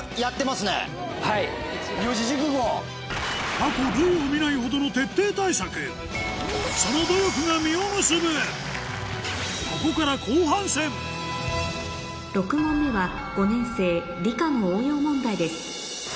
過去類を見ないほどのそのここから６問目は５年生理科の応用問題です